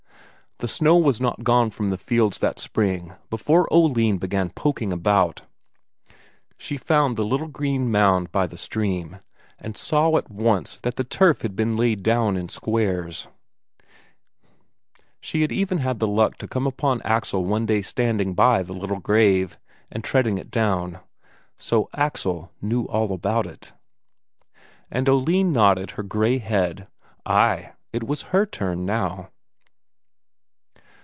The snow was not gone from the fields that spring before Oline began poking about. She found the little green mound by the stream, and saw at once that the turf had been laid down in squares. She had even had the luck to come upon Axel one day standing by the little grave, and treading it down. So Axel knew all about it! And Oline nodded her grey head ay, it was her turn now!